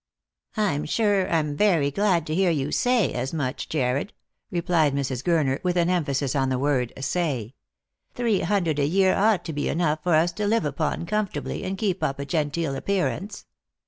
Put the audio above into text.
" I'm sure I'm very glad to hear you say as much, Jarred," Lost for Love. 347 replied Mrs. Gurner, with an emphasis on the word " say." " Three hundred a year ought to be enough for us to live upon comfortably, and keep up a genteel appearance."